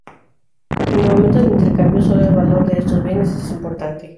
En el momento del intercambio, sólo el valor de estos bienes es importante.